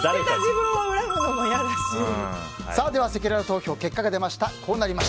せきらら投票の結果が出ました。